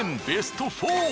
ベスト４！